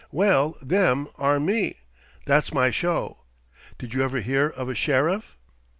Well, them are me! That's my show. Did you ever hear of a sheriff?"